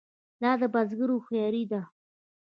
دا د بزګر هوښیاري ده.